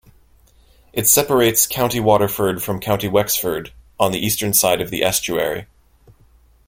It separates County Waterford from County Wexford on the eastern side of the estuary.